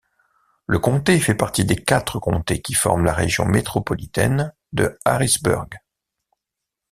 Le comté fait partie des quatre comtés qui forment la région métropolitaine de Harrisburg.